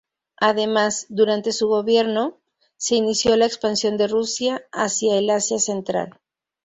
Además, durante su gobierno, se inició la expansión de Rusia hacia el Asia Central.